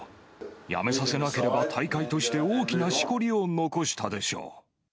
辞めさせなければ大会として大きなしこりを残したでしょう。